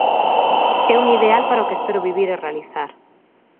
É un ideal para o que espero vivir e realizar.